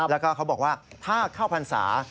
แล้วก็เขาบอกว่าถ้าเข้าพรรษา